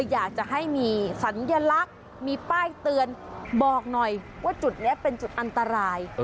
อยากจะให้มีสัญลักษณ์มีป้ายเตือนบอกหน่อยว่าจุดนี้เป็นจุดอันตราย